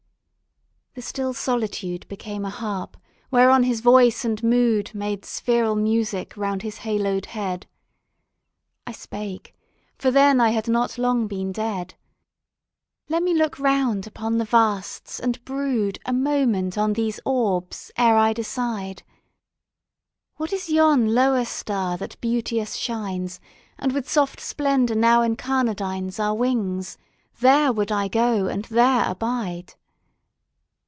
The still solitude Became a harp whereon his voice and mood Made spheral music round his haloed head. I spake for then I had not long been dead "Let me look round upon the vasts, and brood A moment on these orbs ere I decide ... What is yon lower star that beauteous shines And with soft splendor now incarnadines Our wings? There would I go and there abide."